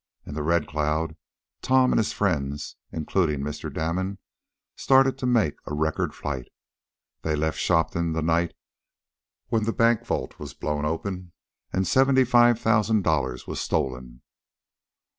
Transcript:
In the RED CLOUD, Tom and his friends, including Mr. Damon, started to make a record flight. They left Shopton the night when the bank vault was blown open, and seventy five thousand dollars stolen.